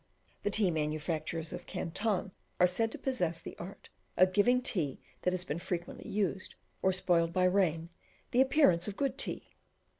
The tea manufacturers of Canton are said to possess the art of giving tea that has been frequently used, or spoiled by rain, the appearance of good tea.